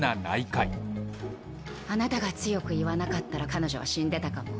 あなたが強く言わなかったら彼女は死んでたかも。